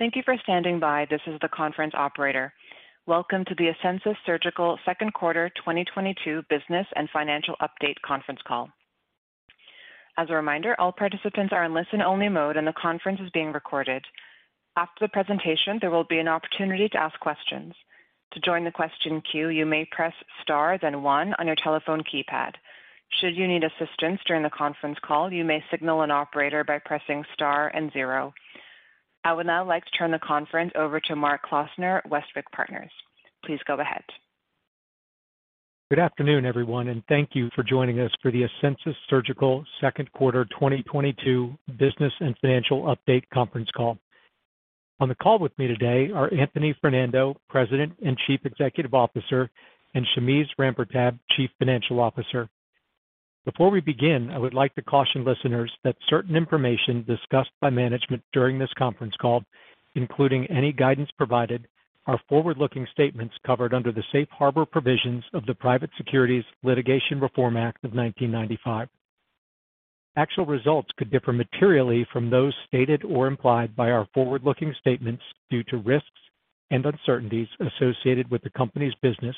Thank you for standing by. This is the conference operator. Welcome to the Asensus Surgical Second Quarter 2022 Business and Financial Update Conference Call. As a reminder, all participants are in listen-only mode, and the conference is being recorded. After the presentation, there will be an opportunity to ask questions. To join the question queue, you may press star then one on your telephone keypad. Should you need assistance during the conference call, you may signal an operator by pressing star and zero. I would now like to turn the conference over to Mark Klausner, Westwicke Partners. Please go ahead. Good afternoon, everyone, and thank you for joining us for the Asensus Surgical Second Quarter 2022 Business and Financial Update conference call. On the call with me today are Anthony Fernando, President and Chief Executive Officer, and Shameze Rampertab, Chief Financial Officer. Before we begin, I would like to caution listeners that certain information discussed by management during this conference call, including any guidance provided, are forward-looking statements covered under the Safe Harbor provisions of the Private Securities Litigation Reform Act of 1995. Actual results could differ materially from those stated or implied by our forward-looking statements due to risks and uncertainties associated with the company's business,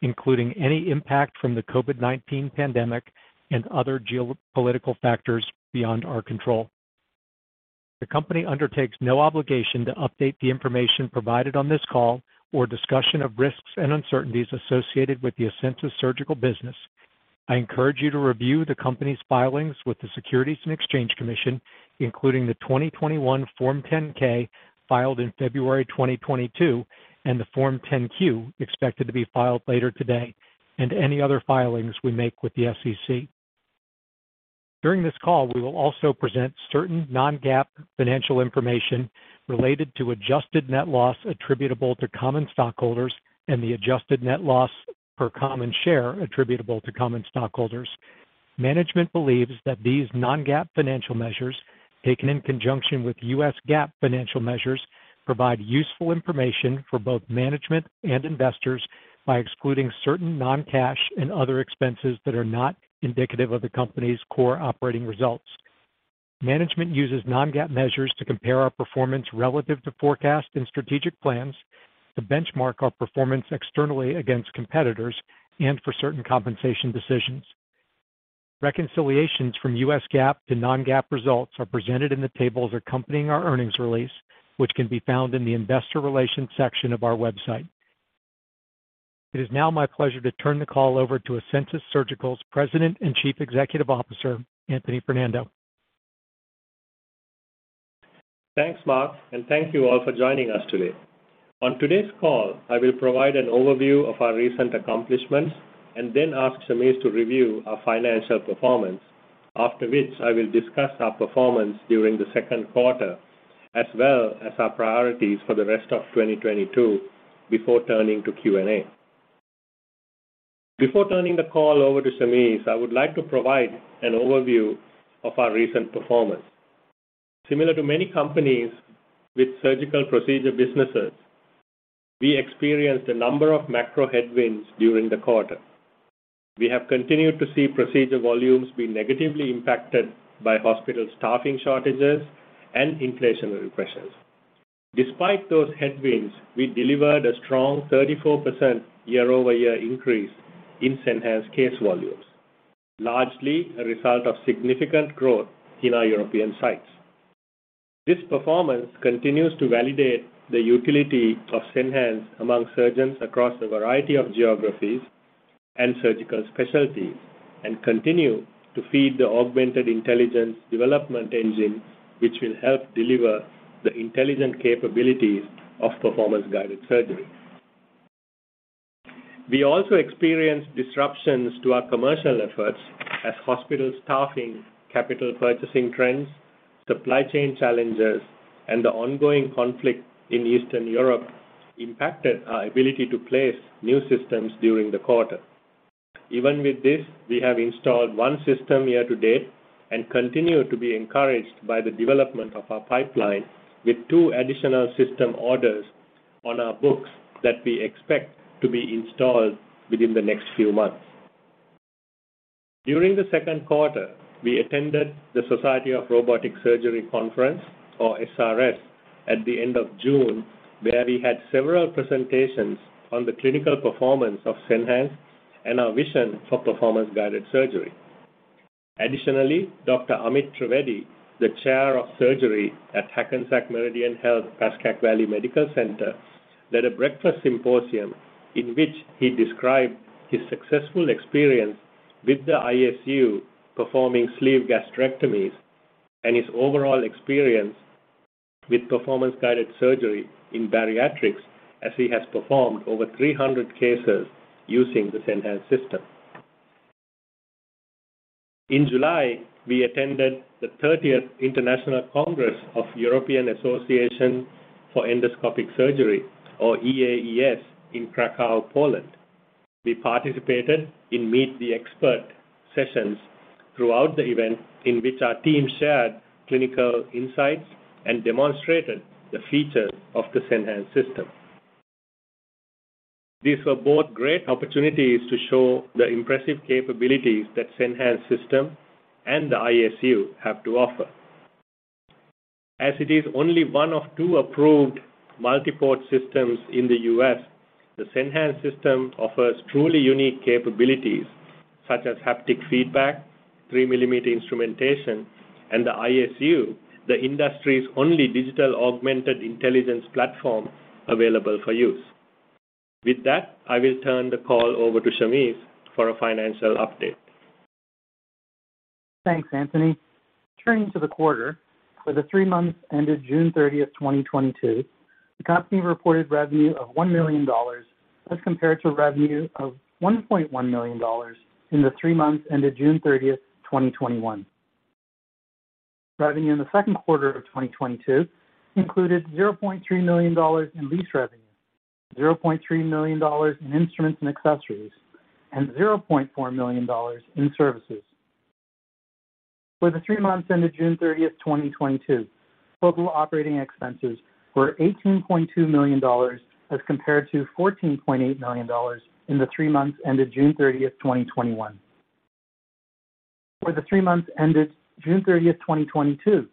including any impact from the COVID-19 pandemic and other geopolitical factors beyond our control. The company undertakes no obligation to update the information provided on this call or discussion of risks and uncertainties associated with the Asensus Surgical business. I encourage you to review the company's filings with the Securities and Exchange Commission, including the 2021 Form 10-K filed in February 2022 and the Form 10-Q expected to be filed later today, and any other filings we make with the SEC. During this call, we will also present certain non-GAAP financial information related to adjusted net loss attributable to common stockholders and the adjusted net loss per common share attributable to common stockholders. Management believes that these non-GAAP financial measures, taken in conjunction with U.S. GAAP financial measures, provide useful information for both management and investors by excluding certain non-cash and other expenses that are not indicative of the company's core operating results. Management uses non-GAAP measures to compare our performance relative to forecast and strategic plans, to benchmark our performance externally against competitors, and for certain compensation decisions. Reconciliations from U.S. GAAP to non-GAAP results are presented in the tables accompanying our earnings release, which can be found in the investor relations section of our website. It is now my pleasure to turn the call over to Asensus Surgical's President and Chief Executive Officer, Anthony Fernando. Thanks, Mark, and thank you all for joining us today. On today's call, I will provide an overview of our recent accomplishments and then ask Shameze to review our financial performance. After which I will discuss our performance during the second quarter as well as our priorities for the rest of 2022 before turning to Q&A. Before turning the call over to Shameze, I would like to provide an overview of our recent performance. Similar to many companies with surgical procedure businesses, we experienced a number of macro headwinds during the quarter. We have continued to see procedure volumes be negatively impacted by hospital staffing shortages and inflationary pressures. Despite those headwinds, we delivered a strong 34% year-over-year increase in Senhance case volumes, largely a result of significant growth in our European sites. This performance continues to validate the utility of Senhance among surgeons across a variety of geographies and surgical specialties and continue to feed the Augmented Intelligence development engine, which will help deliver the intelligent capabilities of Performance-Guided Surgery. We also experienced disruptions to our commercial efforts as hospital staffing, capital purchasing trends, supply chain challenges, and the ongoing conflict in Eastern Europe impacted our ability to place new systems during the quarter. Even with this, we have installed one system year to date and continue to be encouraged by the development of our pipeline with two additional system orders on our books that we expect to be installed within the next few months. During the second quarter, we attended the Society of Robotic Surgery conference, or SRS, at the end of June, where we had several presentations on the clinical performance of Senhance and our vision for Performance-Guided Surgery. Dr. Amit Trivedi, the Chair of Surgery at Hackensack Meridian Health Pascack Valley Medical Center, led a breakfast symposium in which he described his successful experience with the ISU performing sleeve gastrectomies and his overall experience with Performance-Guided Surgery in bariatrics as he has performed over 300 cases using the Senhance system. In July, we attended the 30th International Congress of the European Association for Endoscopic Surgery, or EAES, in Kraków, Poland. We participated in Meet the Expert sessions throughout the event in which our team shared clinical insights and demonstrated the features of the Senhance system. These were both great opportunities to show the impressive capabilities that Senhance system and the ISU have to offer. As it is only one of two approved multi-port systems in the U.S., the Senhance system offers truly unique capabilities such as haptic feedback, three-millimeter instrumentation, and the ISU, the industry's only digital augmented intelligence platform available for use. With that, I will turn the call over to Shameze for a financial update. Thanks, Anthony. Turning to the quarter. For the three months ended June 30th, 2022, the company reported revenue of $1 million as compared to revenue of $1.1 million in the three months ended June 30th, 2021. Revenue in the second quarter of 2022 included $0.3 million in lease revenue, $0.3 million in instruments and accessories, and $0.4 million in services. For the three months ended June 30th, 2022, total operating expenses were $18.2 million as compared to $14.8 million in the three months ended June 30th, 2021. For the three months ended June 30, 2022,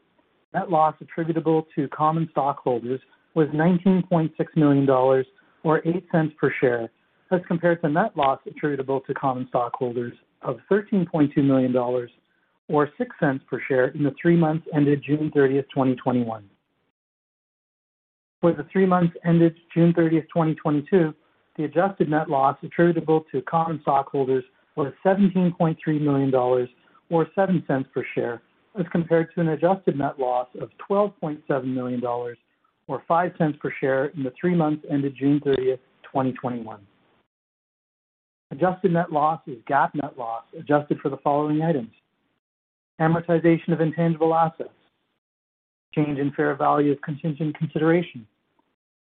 net loss attributable to common stockholders was $19.6 million or $0.08 per share as compared to net loss attributable to common stockholders of $13.2 million or $0.06 per share in the three months ended June 30, 2021. For the three months ended June 30, 2022, the adjusted net loss attributable to common stockholders was $17.3 million or $0.07 per share as compared to an adjusted net loss of $12.7 million or $0.05 per share in the three months ended June 30, 2021. Adjusted net loss is GAAP net loss adjusted for the following items, amortization of intangible assets, change in fair value of contingent consideration,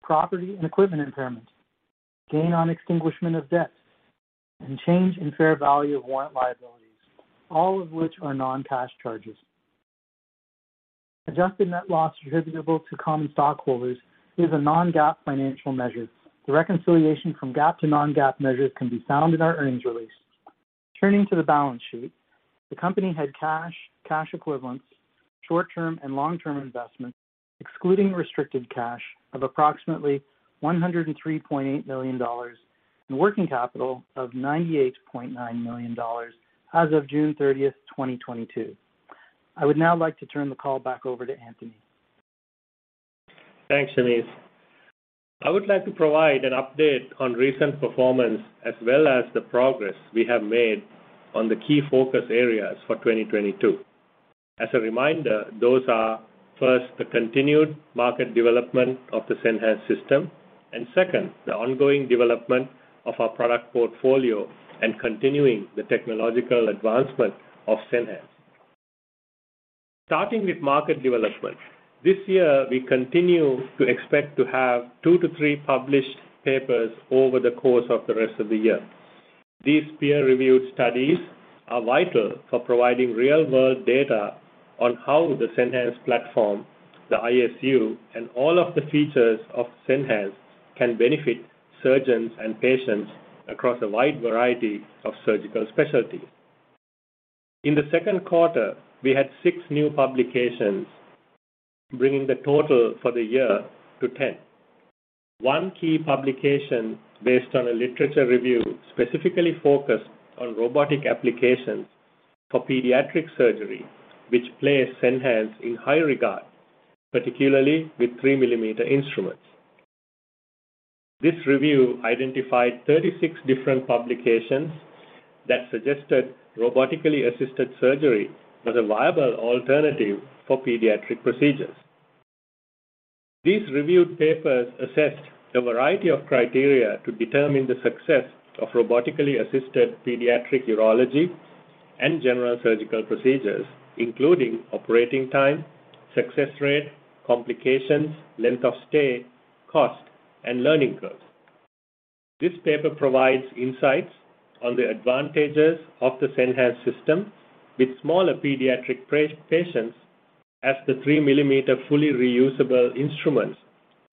property and equipment impairment, gain on extinguishment of debt, and change in fair value of warrant liabilities, all of which are non-cash charges. Adjusted net loss attributable to common stockholders is a non-GAAP financial measure. The reconciliation from GAAP to non-GAAP measures can be found in our earnings release. Turning to the balance sheet. The company had cash equivalents, short-term and long-term investments, excluding restricted cash of approximately $103.8 million, and working capital of $98.9 million as of June 30, 2022. I would now like to turn the call back over to Anthony. Thanks, Shameze. I would like to provide an update on recent performance as well as the progress we have made on the key focus areas for 2022. As a reminder, those are, first, the continued market development of the Senhance system, and second, the ongoing development of our product portfolio and continuing the technological advancement of Senhance. Starting with market development. This year we continue to expect to have two to three published papers over the course of the rest of the year. These peer-reviewed studies are vital for providing real-world data on how the Senhance platform, the ISU, and all of the features of Senhance can benefit surgeons and patients across a wide variety of surgical specialties. In the second quarter, we had six new publications, bringing the total for the year to 10. One key publication based on a literature review specifically focused on robotic applications for pediatric surgery, which place Senhance in high regard, particularly with three-millimeter instruments. This review identified 36 different publications that suggested robotically assisted surgery was a viable alternative for pediatric procedures. These reviewed papers assessed a variety of criteria to determine the success of robotically assisted pediatric urology and general surgical procedures, including operating time, success rate, complications, length of stay, cost, and learning curves. This paper provides insights on the advantages of the Senhance system with smaller pediatric patients as the three-millimeter fully reusable instruments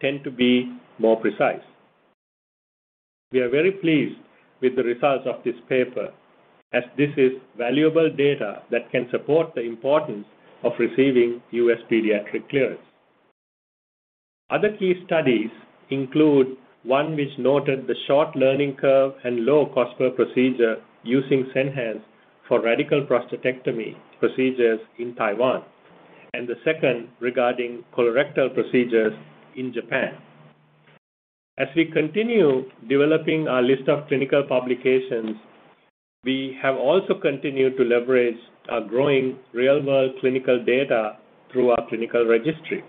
tend to be more precise. We are very pleased with the results of this paper, as this is valuable data that can support the importance of receiving U.S. pediatric clearance. Other key studies include one which noted the short learning curve and low cost per procedure using Senhance for radical prostatectomy procedures in Taiwan, and the second regarding colorectal procedures in Japan. As we continue developing our list of clinical publications, we have also continued to leverage our growing real-world clinical data through our clinical registry.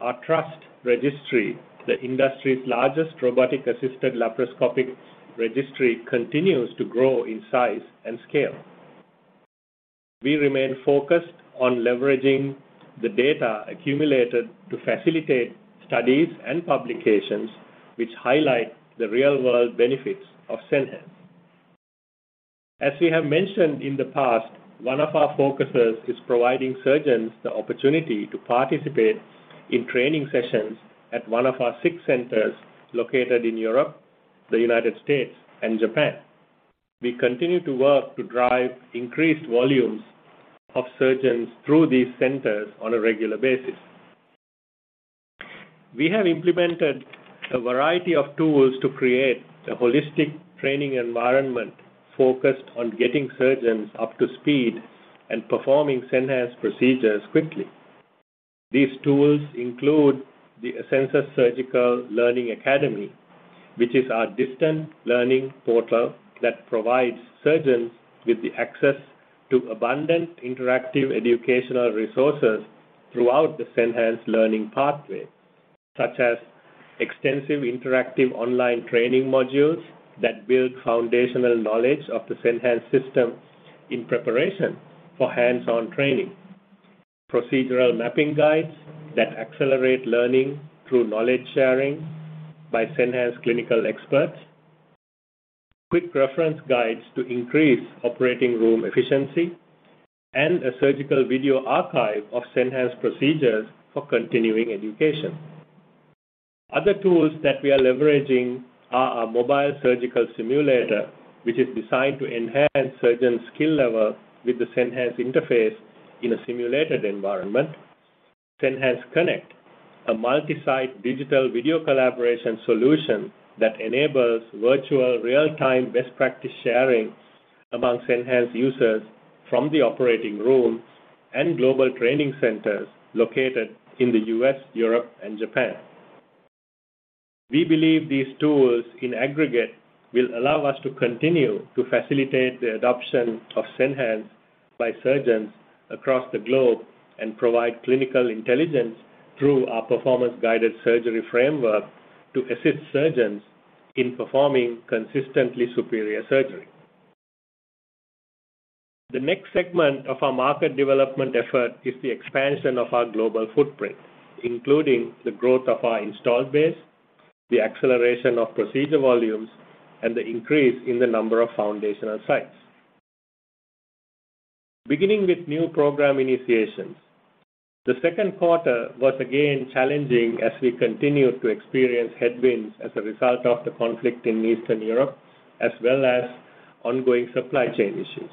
Our TRUST registry, the industry's largest robotic-assisted laparoscopic registry, continues to grow in size and scale. We remain focused on leveraging the data accumulated to facilitate studies and publications which highlight the real-world benefits of Senhance. As we have mentioned in the past, one of our focuses is providing surgeons the opportunity to participate in training sessions at one of our six centers located in Europe, the United States, and Japan. We continue to work to drive increased volumes of surgeons through these centers on a regular basis. We have implemented a variety of tools to create a holistic training environment focused on getting surgeons up to speed and performing Senhance procedures quickly. These tools include the Asensus Surgical Learning Academy, which is our distance learning portal that provides surgeons with access to abundant interactive educational resources throughout the Senhance learning pathway, such as extensive interactive online training modules that build foundational knowledge of the Senhance system in preparation for hands-on training, procedural mapping guides that accelerate learning through knowledge sharing by Senhance clinical experts, quick reference guides to increase operating room efficiency, and a surgical video archive of Senhance procedures for continuing education. Other tools that we are leveraging are our mobile surgical simulator, which is designed to enhance surgeon skill level with the Senhance interface in a simulated environment. Senhance Connect, a multi-site digital video collaboration solution that enables virtual real-time best practice sharing among Senhance users from the operating rooms and global training centers located in the U.S., Europe, and Japan. We believe these tools in aggregate will allow us to continue to facilitate the adoption of Senhance by surgeons across the globe and provide clinical intelligence through our Performance-Guided Surgery framework to assist surgeons in performing consistently superior surgery. The next segment of our market development effort is the expansion of our global footprint, including the growth of our installed base, the acceleration of procedure volumes, and the increase in the number of foundational sites. Beginning with new program initiations. The second quarter was again challenging as we continued to experience headwinds as a result of the conflict in Eastern Europe, as well as ongoing supply chain issues.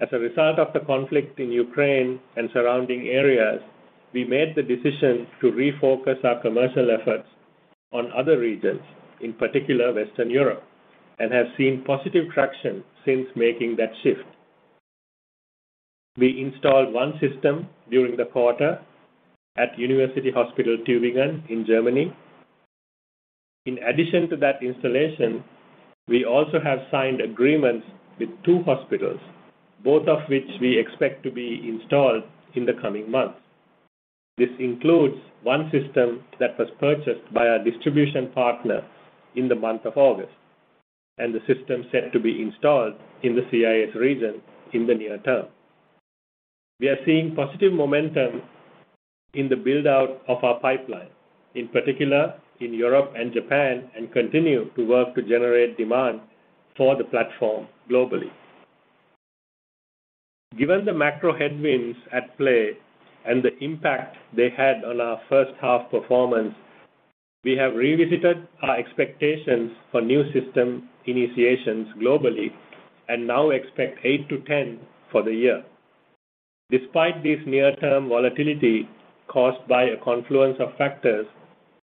As a result of the conflict in Ukraine and surrounding areas, we made the decision to refocus our commercial efforts on other regions, in particular Western Europe, and have seen positive traction since making that shift. We installed one system during the quarter at University Hospital Tübingen in Germany. In addition to that installation, we also have signed agreements with two hospitals, both of which we expect to be installed in the coming months. This includes one system that was purchased by our distribution partner in the month of August, and the system set to be installed in the CIS region in the near term. We are seeing positive momentum in the build-out of our pipeline, in particular in Europe and Japan, and continue to work to generate demand for the platform globally. Given the macro headwinds at play and the impact they had on our first half performance, we have revisited our expectations for new system initiations globally and now expect eight to 10 for the year. Despite this near-term volatility caused by a confluence of factors,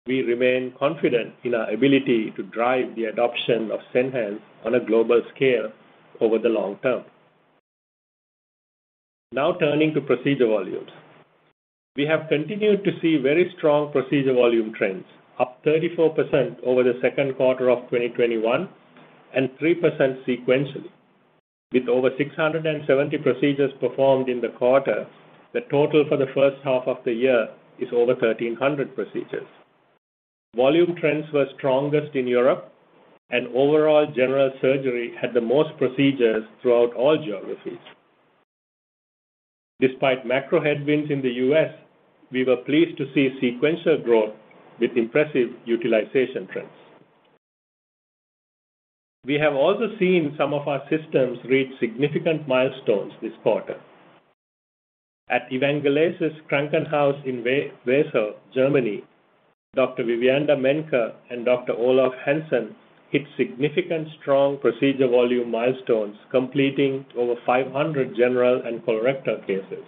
we remain confident in our ability to drive the adoption of Senhance on a global scale over the long term. Now turning to procedure volumes. We have continued to see very strong procedure volume trends, up 34% over the second quarter of 2021 and 3% sequentially. With over 670 procedures performed in the quarter, the total for the first half of the year is over 1,300 procedures. Volume trends were strongest in Europe, and overall general surgery had the most procedures throughout all geographies. Despite macro headwinds in the U.S., we were pleased to see sequential growth with impressive utilization trends. We have also seen some of our systems reach significant milestones this quarter. At Evangelisches Krankenhaus Wesel, Germany, Dr. Vivianda Menke and Dr. Olaf Hansen hit significant strong procedure volume milestones, completing over 500 general and colorectal cases.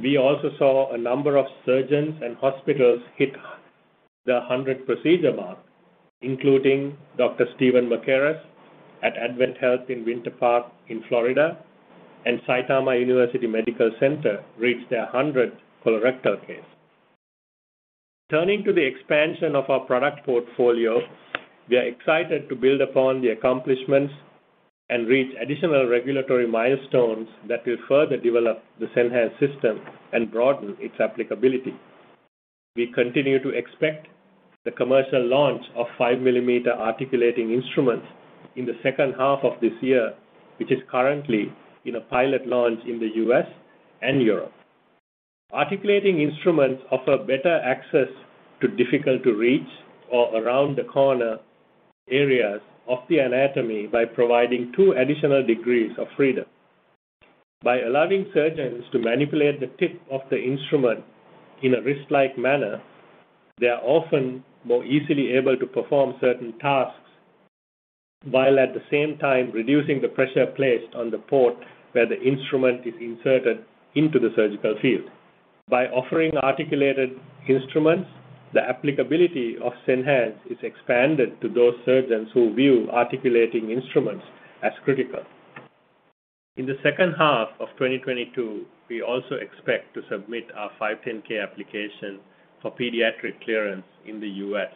We also saw a number of surgeons and hospitals hit the 100-procedure mark, including Dr. Steven McCarus at AdventHealth Winter Park, Florida, and Saitama Medical University Hospital reached their 100th colorectal case. Turning to the expansion of our product portfolio, we are excited to build upon the accomplishments and reach additional regulatory milestones that will further develop the Senhance system and broaden its applicability. We continue to expect the commercial launch of five millimeter articulating instruments in the second half of this year, which is currently in a pilot launch in the U.S. and Europe. Articulating instruments offer better access to difficult to reach or around the corner areas of the anatomy by providing two additional degrees of freedom. By allowing surgeons to manipulate the tip of the instrument in a wrist-like manner, they are often more easily able to perform certain tasks while at the same time reducing the pressure placed on the port where the instrument is inserted into the surgical field. By offering articulated instruments, the applicability of Senhance is expanded to those surgeons who view articulating instruments as critical. In the second half of 2022, we also expect to submit our 510(k) application for pediatric clearance in the U.S.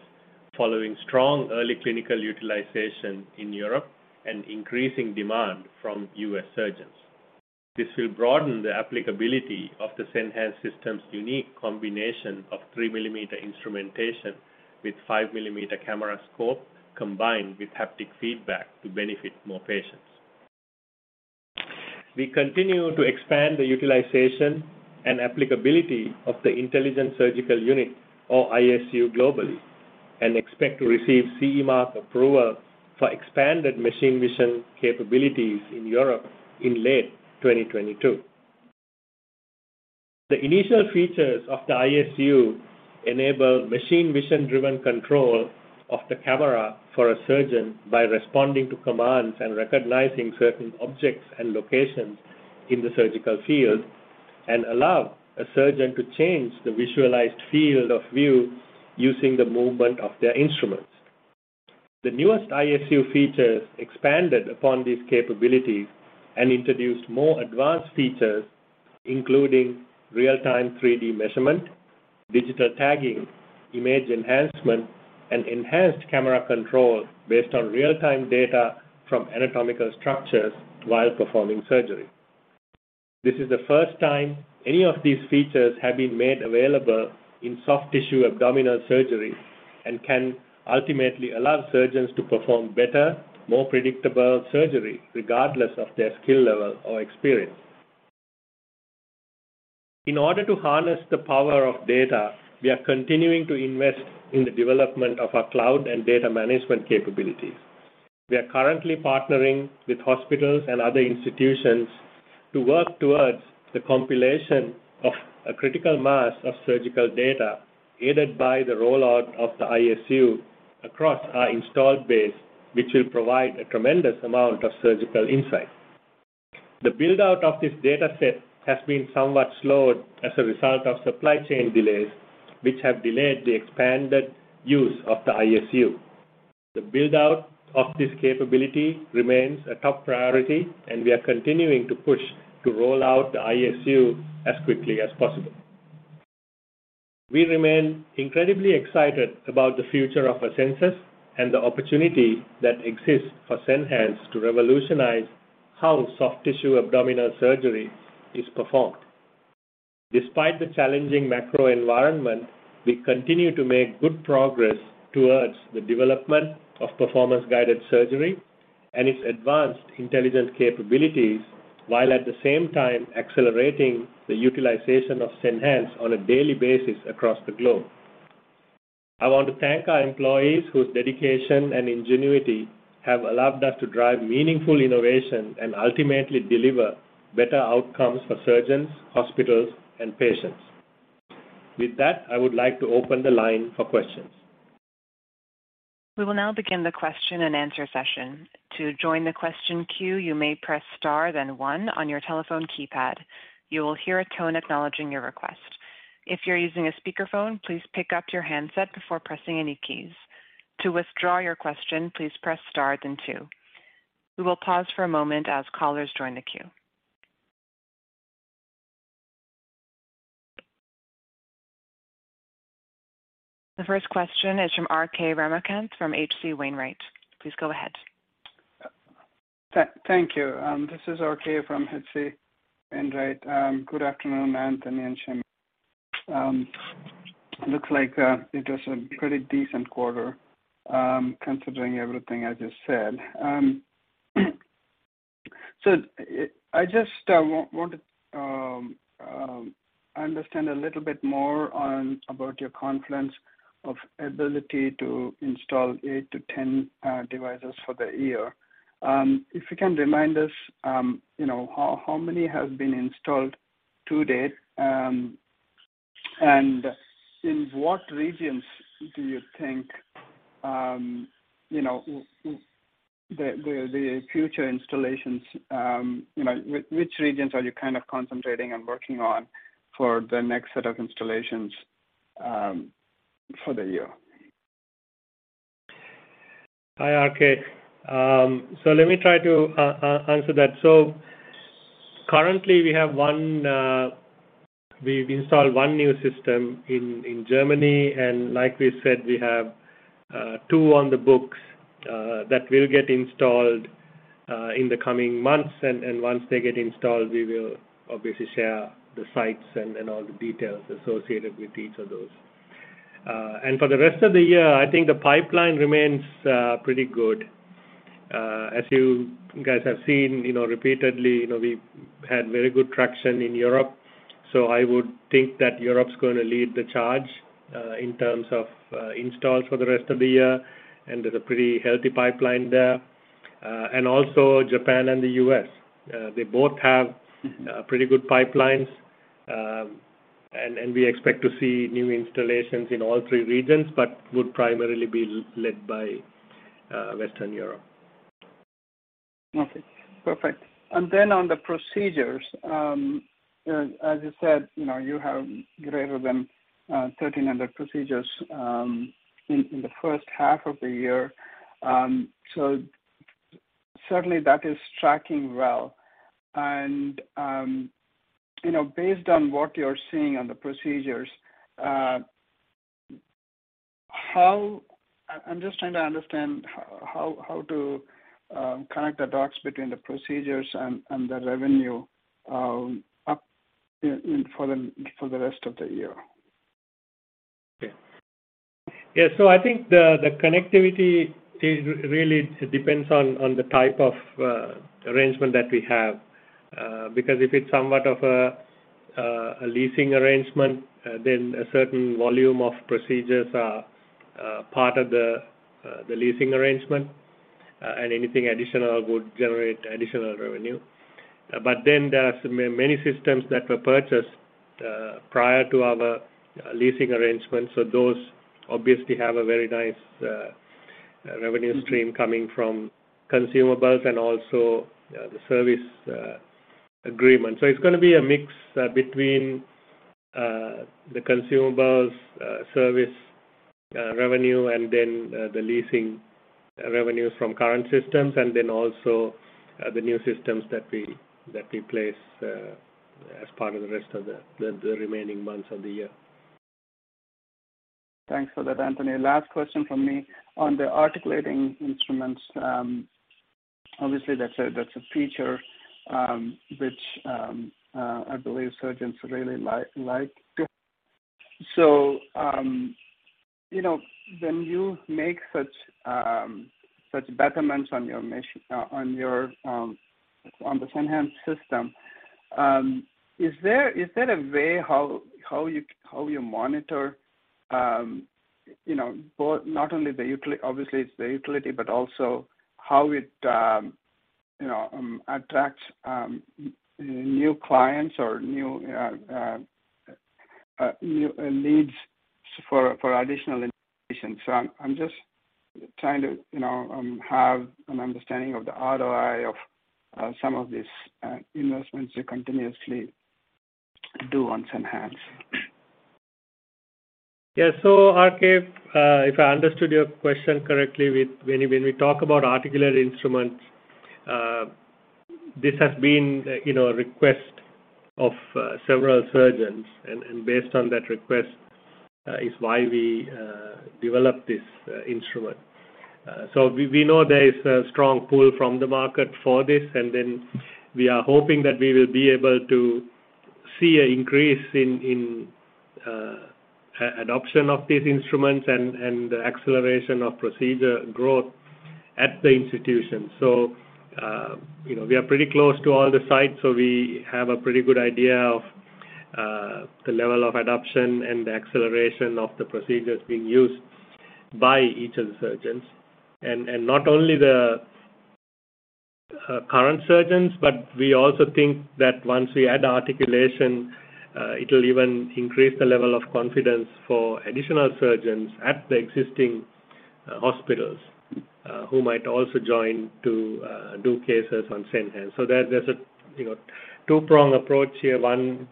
following strong early clinical utilization in Europe and increasing demand from U.S. surgeons. This will broaden the applicability of the Senhance system's unique combination of three-millimeter instrumentation with five-millimeter camera scope, combined with haptic feedback to benefit more patients. We continue to expand the utilization and applicability of the Intelligent Surgical Unit or ISU globally, and expect to receive CE mark approval for expanded machine vision capabilities in Europe in late 2022. The initial features of the ISU enable machine vision-driven control of the camera for a surgeon by responding to commands and recognizing certain objects and locations in the surgical field, and allow a surgeon to change the visualized field of view using the movement of their instruments. The newest ISU features expanded upon these capabilities and introduced more advanced features, including real-time 3D measurement, digital tagging, image enhancement, and enhanced camera control based on real-time data from anatomical structures while performing surgery. This is the first time any of these features have been made available in soft tissue abdominal surgery and can ultimately allow surgeons to perform better, more predictable surgery regardless of their skill level or experience. In order to harness the power of data, we are continuing to invest in the development of our cloud and data management capabilities. We are currently partnering with hospitals and other institutions to work towards the compilation of a critical mass of surgical data aided by the rollout of the ISU across our installed base, which will provide a tremendous amount of surgical insight. The build-out of this data set has been somewhat slowed as a result of supply chain delays, which have delayed the expanded use of the ISU. The build-out of this capability remains a top priority, and we are continuing to push to roll out the ISU as quickly as possible. We remain incredibly excited about the future of Asensus and the opportunity that exists for Senhance to revolutionize how soft tissue abdominal surgery is performed. Despite the challenging macro environment, we continue to make good progress towards the development of Performance-Guided Surgery and its advanced intelligent capabilities, while at the same time accelerating the utilization of Senhance on a daily basis across the globe. I want to thank our employees whose dedication and ingenuity have allowed us to drive meaningful innovation and ultimately deliver better outcomes for surgeons, hospitals, and patients. With that, I would like to open the line for questions. We will now begin the question and answer session. To join the question queue, you may press star then one on your telephone keypad. You will hear a tone acknowledging your request. If you're using a speakerphone, please pick up your handset before pressing any keys. To withdraw your question, please press star then two. We will pause for a moment as callers join the queue. The first question is from RK Ramakanth from H.C. Wainwright. Please go ahead. Thank you. This is RK from H.C. Wainwright. Good afternoon, Anthony and Shameze. Looks like it was a pretty decent quarter, considering everything as you said. So I just want to understand a little bit more about your confidence in ability to install eight to 10 devices for the year. If you can remind us, you know, how many have been installed to date, and in what regions do you think, you know, the future installations, you know, which regions are you kind of concentrating and working on for the next set of installations for the year? Hi, RK. Let me try to answer that. Currently we have one, we've installed one new system in Germany, and like we said, we have two on the books that will get installed in the coming months. Once they get installed, we will obviously share the sites and all the details associated with each of those. For the rest of the year, I think the pipeline remains pretty good. As you guys have seen, you know, repeatedly, you know, we've had very good traction in Europe. I would think that Europe's gonna lead the charge in terms of installs for the rest of the year, and there's a pretty healthy pipeline there. Also Japan and the U.S. They both have pretty good pipelines. We expect to see new installations in all three regions but would primarily be led by Western Europe. Okay. Perfect. Then on the procedures, as you said, you know, you have greater than 1,300 procedures in the first half of the year. So certainly that is tracking well. You know, based on what you're seeing on the procedures, I'm just trying to understand how to connect the dots between the procedures and the revenue for the rest of the year. I think the connectivity really depends on the type of arrangement that we have. Because if it's somewhat of a leasing arrangement, then a certain volume of procedures are part of the leasing arrangement, and anything additional would generate additional revenue. There are so many systems that were purchased prior to our leasing arrangements, so those obviously have a very nice revenue-stream coming from consumables and also the service agreement. It's gonna be a mix between the consumables, service revenue and then the leasing revenues from current systems and then also the new systems that we place as part of the rest of the remaining months of the year. Thanks for that, Anthony. Last question from me. On the articulating instruments, obviously that's a feature which I believe surgeons really like to. You know, when you make such betterment on your Senhance system, is there a way how you monitor both not only the utility, obviously it's the utility, but also how it attracts new clients or new leads for additional patients? I'm just trying to have an understanding of the ROI of some of these investments you continuously do on Senhance. Yeah. RK, if I understood your question correctly, when we talk about articulating instruments, this has been, you know, a request of several surgeons. Based on that request, is why we developed this instrument. We know there is a strong pull from the market for this, and then we are hoping that we will be able to see an increase in adoption of these instruments and acceleration of procedure growth at the institution. You know, we are pretty close to all the sites, so we have a pretty good idea of the level of adoption and the acceleration of the procedures being used by each of the surgeons. Not only the current surgeons, but we also think that once we add articulation, it'll even increase the level of confidence for additional surgeons at the existing hospitals who might also join to do cases on Senhance. There's a you know two-prong approach here. One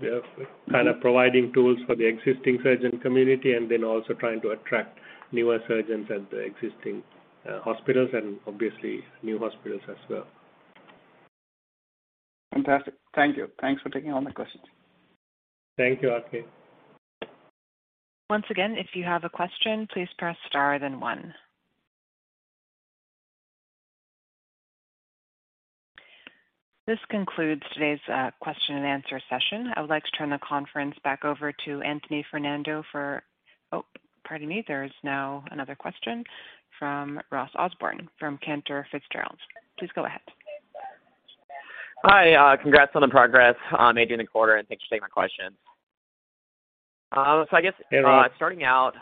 kind of providing tools for the existing surgeon community, and then also trying to attract newer surgeons at the existing hospitals and obviously new hospitals as well. Fantastic. Thank you. Thanks for taking all my questions. Thank you, RK. Once again, if you have a question, please press star then one. This concludes today's question and answer session. I would like to turn the conference back over to Anthony Fernando. Oh, pardon me. There is now another question from Ross Osborn from Cantor Fitzgerald. Please go ahead. Hi. Congrats on the progress made during the quarter, and thanks for taking my questions. I guess... Hey, Ross. Starting out,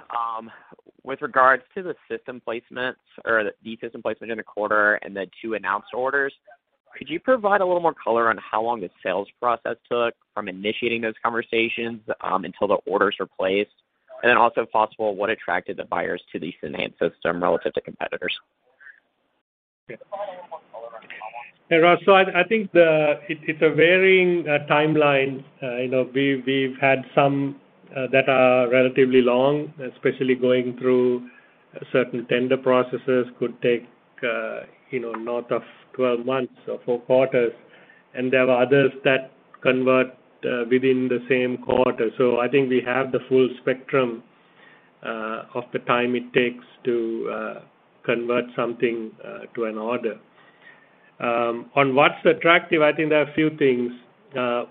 with regards to the system placements or the system placement in the quarter and the two announced orders, could you provide a little more color on how long the sales process took from initiating those conversations until the orders were placed? Also, if possible, what attracted the buyers to the Senhance system relative to competitors? Hey, Ross. I think it's a varying timeline. You know, we've had some that are relatively long, especially going through certain tender processes could take, you know, north of 12 months or four quarters. There are others that convert within the same quarter. I think we have the full spectrum of the time it takes to convert something to an order. On what's attractive, I think there are a few things.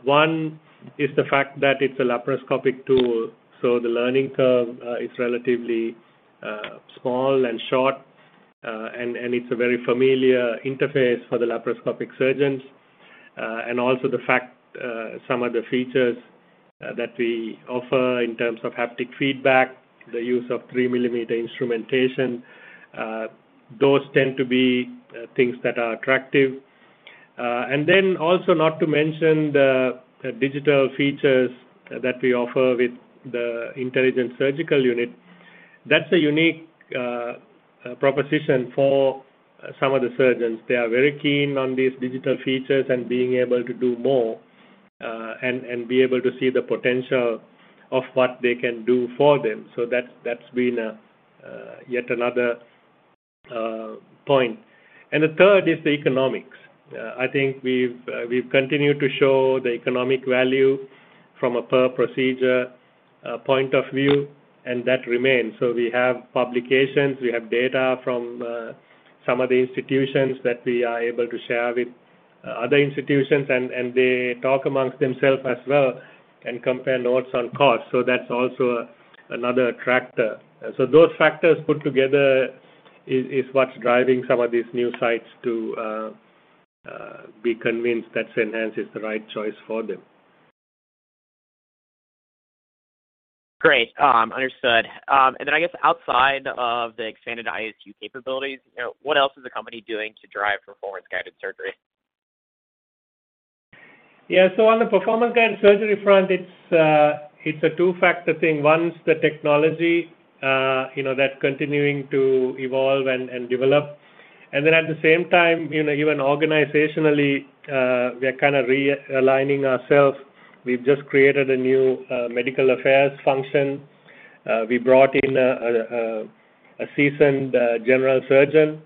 One is the fact that it's a laparoscopic tool, so the learning curve is relatively small and short, and it's a very familiar interface for the laparoscopic surgeons. Also the fact some of the features that we offer in terms of haptic feedback, the use of three-millimeter instrumentation, those tend to be things that are attractive. Not to mention the digital features that we offer with the Intelligent Surgical Unit. That's a unique proposition for some of the surgeons. They are very keen on these digital features and being able to do more and be able to see the potential of what they can do for them. That's been yet another point. The third is the economics. I think we've continued to show the economic value from a per procedure point of view, and that remains. We have publications, we have data from some of the institutions that we are able to share with other institutions, and they talk amongst themselves as well and compare notes on cost. That's also another attractor. Those factors put together is what's driving some of these new sites to be convinced that Senhance is the right choice for them. Great. Understood. I guess outside of the expanded ISU capabilities, you know, what else is the company doing to drive Performance-Guided Surgery? Yeah. On the Performance-Guided Surgery front, it's a two-factor thing. One's the technology, you know, that's continuing to evolve and develop. At the same time, you know, even organizationally, we are kinda realigning ourselves. We've just created a new medical affairs function. We brought in a seasoned general surgeon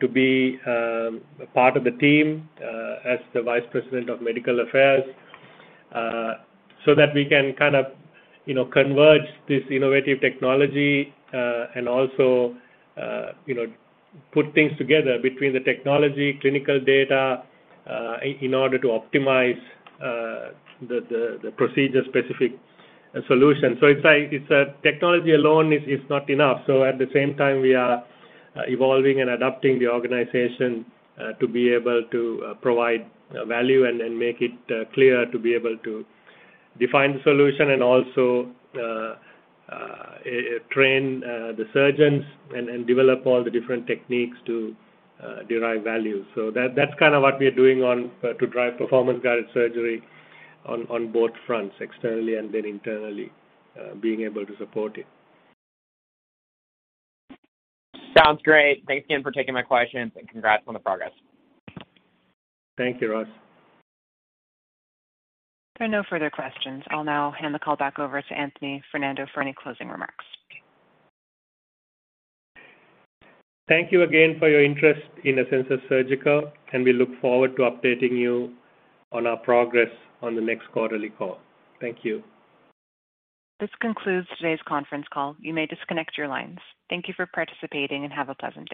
to be part of the team as the vice president of medical affairs, so that we can kind of, you know, converge this innovative technology and also, you know, put things together between the technology, clinical data, in order to optimize the procedure-specific solution. It's like. It's technology alone is not enough. At the same time, we are evolving and adapting the organization to be able to provide value and make it clear to be able to define the solution and also train the surgeons and develop all the different techniques to derive value. That, that's kinda what we are doing on to drive Performance-Guided Surgery on both fronts, externally and then internally, being able to support it. Sounds great. Thanks again for taking my questions, and congrats on the progress. Thank you, Ross. There are no further questions. I'll now hand the call back over to Anthony Fernando for any closing remarks. Thank you again for your interest in Asensus Surgical, and we look forward to updating you on our progress on the next quarterly call. Thank you. This concludes today's conference call. You may disconnect your lines. Thank you for participating, and have a pleasant day.